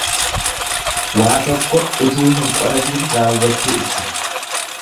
Waa tokko utuu hin qoratiin raawwachuu ibsa.